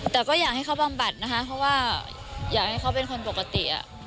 แต่ก็อยากให้เขาบำบัดนะคะเพราะว่าอยากให้เขาเป็นคนปกติ